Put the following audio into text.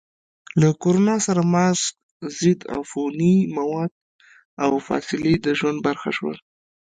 له کرونا سره ماسک، ضد عفوني مواد، او فاصلې د ژوند برخه شوه.